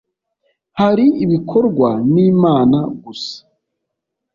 hari ibikorwa n’ Imana gusa